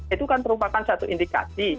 itu kan merupakan satu indikasi